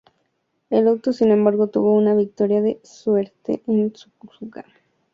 El auto sin embargo tuvo una victoria de suerte en Suzuka.